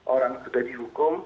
orang sudah dihukum